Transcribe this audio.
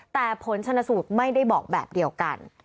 แต่ผลชนสูตรไม่ได้บอกแบบเดียวกัน